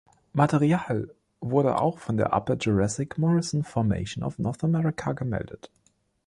Material wurde auch von der Upper Jurassic Morrison Formation of North America gemeldet.